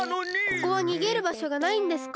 ここはにげるばしょがないんですか？